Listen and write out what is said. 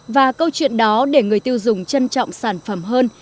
và câu chuyện đó để người tiêu dùng trân trọng sản phẩm hơn